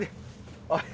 あれ？